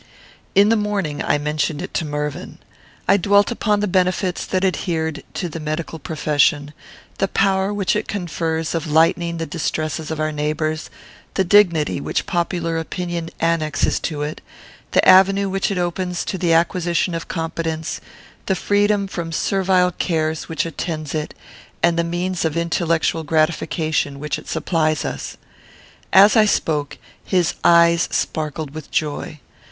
In the morning, I mentioned it to Mervyn. I dwelt upon the benefits that adhered to the medical profession, the power which it confers of lightening the distresses of our neighbours, the dignity which popular opinion annexes to it, the avenue which it opens to the acquisition of competence, the freedom from servile cares which attends it, and the means of intellectual gratification with which it supplies us. As I spoke, his eyes sparkled with joy.